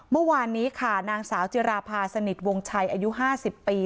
เมื่อวานนี้ค่ะนางสาวจิราภาสนิทวงชัยอายุ๕๐ปี